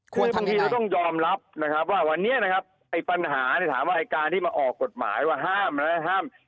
คือพี่ต้องยอมรับว่าวันนี้นะครับไอ้ปัญหาถามว่าไอ้การที่มาออกกฎหมายว่าห้ามนะครับ